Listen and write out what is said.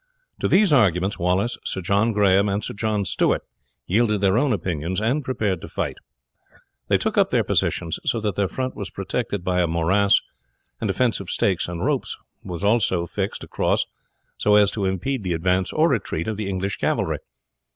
To these arguments Wallace, Sir John Grahame, and Sir John Stewart, yielded their own opinions, and prepared to fight. They took up their position so that their front was protected by a morass, and a fence of stakes and ropes was also fixed across so as to impede the advance or retreat of the English cavalry.